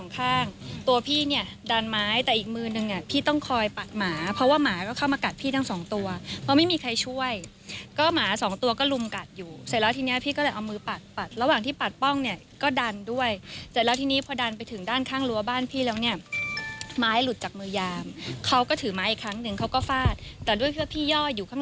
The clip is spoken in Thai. แต่ด้วยเพื่อพี่ย่อยอยู่ข้างหลังยามเนี่ย